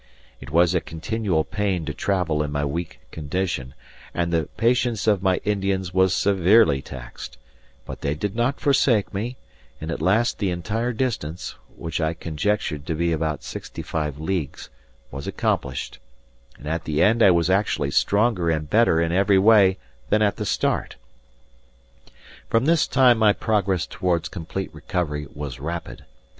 It was a continual pain to travel in my weak condition, and the patience of my Indians was severely taxed; but they did not forsake me; and at last the entire distance, which I conjectured to be about sixty five leagues, was accomplished; and at the end I was actually stronger and better in every way than at the start. From this time my progress towards complete recovery was rapid.